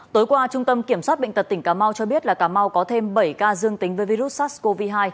tối qua trung tâm kiểm soát bệnh tật tỉnh cà mau cho biết là cà mau có thêm bảy ca dương tính với virus sars cov hai